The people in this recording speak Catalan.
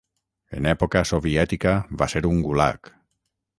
En època soviètica va ser un gulag.